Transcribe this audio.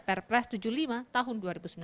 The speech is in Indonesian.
perpres tujuh puluh lima tahun dua ribu sembilan belas